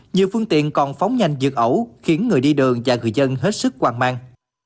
nhiều phương tiện còn phóng nhanh dược ẩu khiến người đi đường và người dân hết sức hoang mang